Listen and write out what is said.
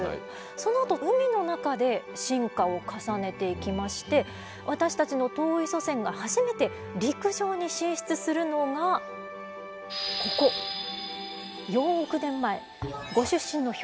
そのあと海の中で進化を重ねていきまして私たちの遠い祖先が初めて陸上に進出するのがここ４億年前ご出身の兵庫県辺りです。